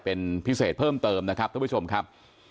เป็นพิเศษเพิ่มเติมนะครับท่านผู้ชมครับ